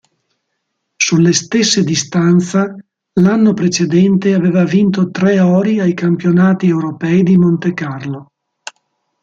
Sulle stesse distanza, l'anno precedente aveva vinto tre ori ai campionati europei di Montecarlo.